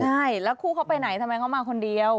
ใช่แล้วคู่เขาไปไหนทำไมเขามาคนเดียว